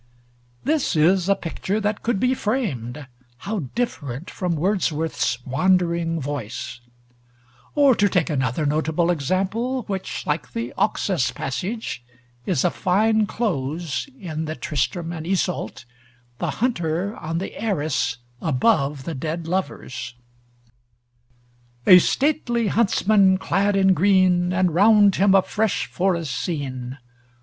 This is a picture that could be framed: how different from Wordsworth's "wandering voice"! Or to take another notable example, which, like the Oxus passage, is a fine close in the 'Tristram and Iseult,' the hunter on the arras above the dead lovers: "A stately huntsman, clad in green, And round him a fresh forest scene.